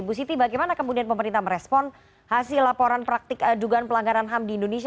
bu siti bagaimana kemudian pemerintah merespon hasil laporan praktik dugaan pelanggaran ham di indonesia